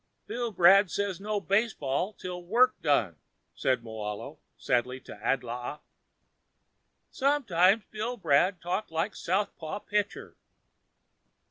"Billbrad say no baseball until work done," said Moahlo sadly to Adlaa. "Sometimes Billbrad talk like southpaw pitcher."